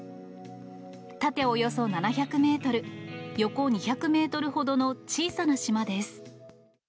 縦およそ７００メートル、横２００メートルほどの小さな島です。